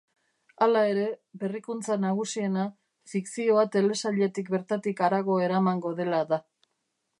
Hala ere, berrikuntza nagusiena fikzioa telesailetik bertatik harago eramango dela da.